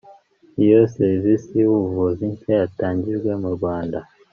Iyo serivise y’ubuvuzi nshya yatangijwe mu Rwanda